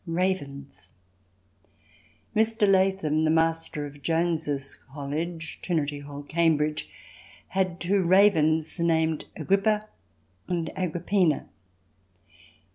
Ravens Mr. Latham, the Master of Jones's College, Trinity Hall, Cambridge, has two ravens named Agrippa and Agrippina.